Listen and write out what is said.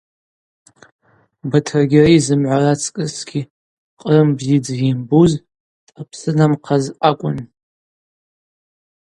Батыргьари зымгӏва рацкӏысгьи Кърым бзи дызйымбуз дъапсынамхъаз акӏвын.